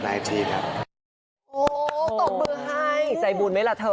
โอ้โหตบมือให้ใจบุญไหมล่ะเธอ